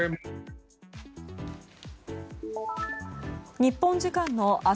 日本時間の明日